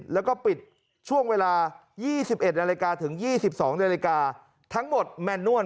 แล้วก็ปิดช่วงเวลา๒๑นาฬิกาถึง๒๒นาฬิกาทั้งหมดแมนนวล